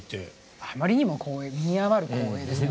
あまりにも身に余る光栄ですね